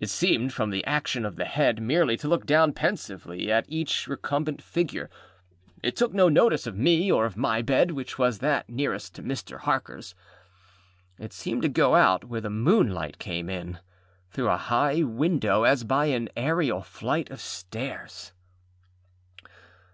It seemed, from the action of the head, merely to look down pensively at each recumbent figure. It took no notice of me, or of my bed, which was that nearest to Mr. Harkerâs. It seemed to go out where the moonlight came in, through a high window, as by an aërial flight of stairs.